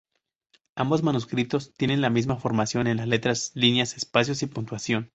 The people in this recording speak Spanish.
Ambos manuscritos tienen la misma formación en las letras, líneas, espacios y puntuación.